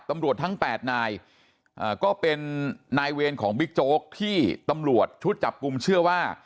ตำรวจทั้ง๘นายก็เป็นนายเวรของบิ๊กโจ๊กที่ตำรวจชุดจับกลุ่มเชื่อว่า